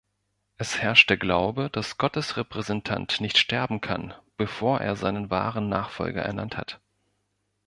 Es herrscht der Glaube, dass Gottes Repräsentant nicht sterben kann, bevor er seinen wahren Nachfolger ernannt hat.